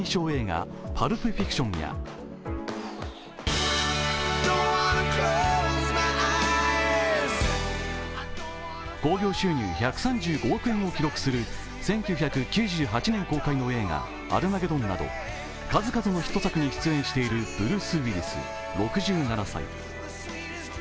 映画「パルプ・フィクション」や興行収入１３５億円を記録する１９９８年公開の映画「アルマゲドン」など数々のヒット作に出演しているブルース・ウィリス６７歳。